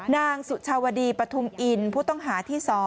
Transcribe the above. นางสุชาวดีปฐุมอินผู้ต้องหาที่๒